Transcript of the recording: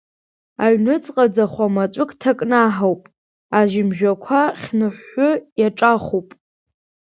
Аҩныҵҟа ӡахәа-маҵәык ҭакнаҳахуп, ажьымжәақәа хьныҳәҳәы иҿахуп.